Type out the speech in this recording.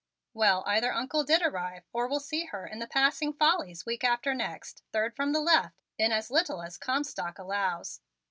"Well, either Uncle did arrive or we'll see her in the Passing Follies week after next, third from the left, in as little as Comstock allows.